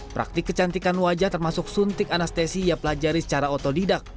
praktik kecantikan wajah termasuk suntik anestesi ia pelajari secara otodidak